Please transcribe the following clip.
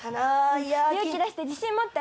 勇気出して自信持って！